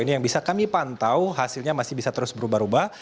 ini yang bisa kami pantau hasilnya masih bisa terus berubah ubah